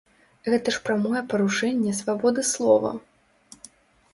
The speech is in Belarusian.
Гэта ж прамое парушэнне свабоды слова.